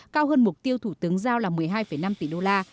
cao hơn mục tiêu thủ tướng giao là một mươi hai năm tỷ đô la